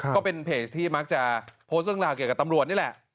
ก็เป็นเพจที่มักจะโพสต์เท้ากับตำรวจนี่แหละ